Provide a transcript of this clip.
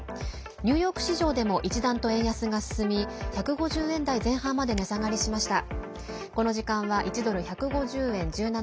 ニューヨーク市場でも一段と円安が進み１５０円台前半まで値下がりしました。